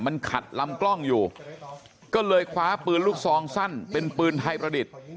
มันขัดลำกล้องอยู่ก็เลยคว้าปืนลูกซองสั้นเป็นปืนไทยประดิษฐ์